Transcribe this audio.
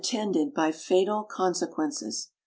73 (/ended by fatal consequences.